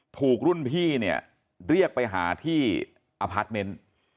ถูกรุ่นพี่เนี่ยเรียกไปหาที่อพาร์ทเมนต์